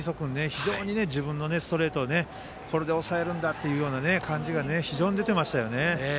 非常に自分のストレートでねこれで抑えるんだっていう感じが非常に出ていましたよね。